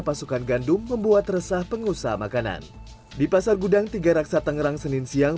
pasukan gandum membuat resah pengusaha makanan di pasar gudang tiga raksa tangerang senin siang